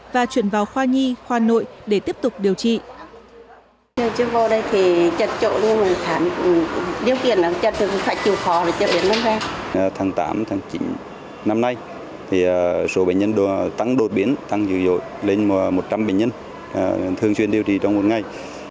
và chuyển vào khoa nhi khoa nội để tiếp tục điều trị